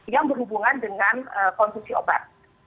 yang berhubungan dengan konsumsi obat